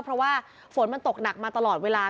เพราะว่าฝนมันตกหนักมาตลอดเวลา